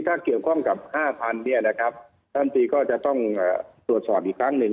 ถ้าเกี่ยวข้องกับ๕๐๐๐บาททั้งสีก็จะต้องตรวจสอบอีกครั้งหนึ่ง